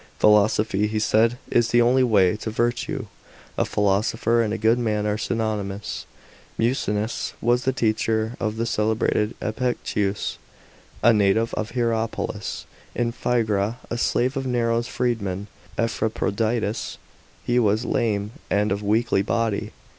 Philosophy, he said, is the only way to virtue ; a philosopher and a good man are synonymous. § 9. Musonius was the teacher of the celebrated EPICTETUS, a native of Hierapolis in Phrygia, a slave of Nero's freedman E|>aphroditus. He was lame and of weakly body.